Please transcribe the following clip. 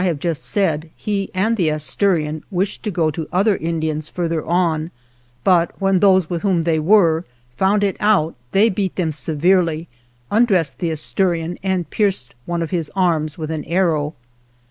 86 ALVAR NUNEZ CABEZA DE VACA just said, he and the Ashman wished to go to other Indians further on, but when those with whom they were found it out, they beat them severely, undressed the As turian and pierced one of his arms with an arrow.